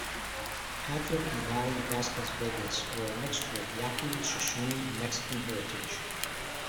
Patrick and Lolly Vasquez-Vegas were a mixture of Yaqui, Shoshone, and Mexican heritage.